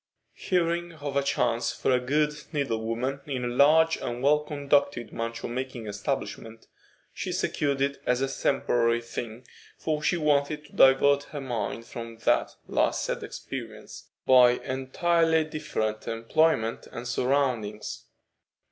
Hearing of a chance for a good needle woman in a large and well conducted mantua making establishment, she secured it as a temporary thing, for she wanted to divert her mind from that last sad experience by entirely different employment and surroundings.